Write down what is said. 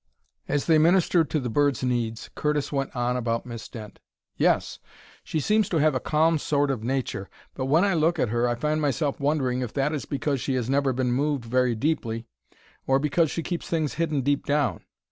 As they ministered to the bird's needs Curtis went on about Miss Dent. "Yes; she seems to have a calm sort of nature, but when I look at her I find myself wondering if that is because she has never been moved very deeply, or because she keeps things hidden deep down.